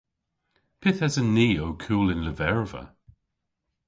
Pyth esen ni ow kul y'n lyverva?